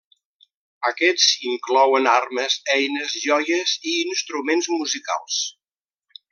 Aquests inclouen armes, eines, joies i instruments musicals.